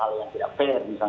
hal hal yang tidak fair